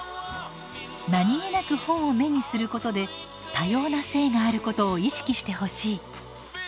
何気なく本を目にすることで多様な性があることを意識してほしい。